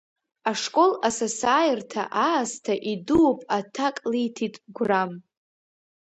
Ашкол асасааирҭа аасҭа идууп аҭак лиҭит Гәрам.